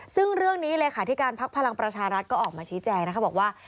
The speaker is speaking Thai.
ซึ่งเรื่องนี้เลขาธิการพักพลังประชารัฐก็ออกมาชี้แจงนะคะบอกว่า